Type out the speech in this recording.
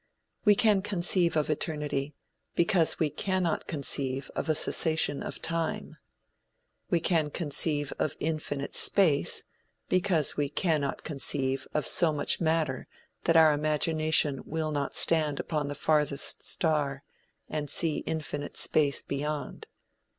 We can conceive of eternity, because we cannot conceive of a cessation of time. We can conceive of infinite space because we cannot conceive of so much matter that our imagination will not stand upon the farthest star, and see infinite space beyond.